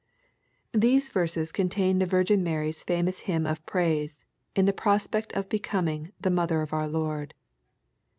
These verses contaiD the Virgin Mary's famous hymn of praise, in the prospect of becoming the " mother of our Lord."